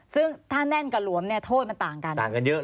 ซึ่งถ้าแน่นกับหลวมเนี่ยโทษมันต่างกัน